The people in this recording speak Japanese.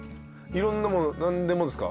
いろんなもの何でもですか？